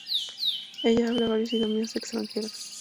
Ella hablaba varios idiomas extranjeros.